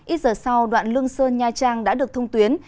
ít giờ sau đoạn lương sơn nha trang đã được thông tuyến